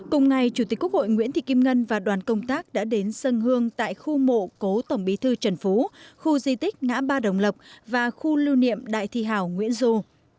cùng ngày chủ tịch quốc hội nguyễn thị kim ngân và đoàn công tác đã đến sân hương tại khu mộ cố tổng bí thư trần phú khu di tích ngã ba đồng lộc và khu lưu niệm đại thi hảo nguyễn du